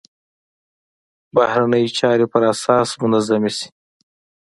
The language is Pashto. بهرنۍ چارې پر اساس منظمې شي.